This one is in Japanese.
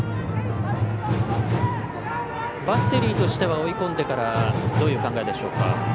バッテリーとしては追い込んでからどういう考えでしょうか。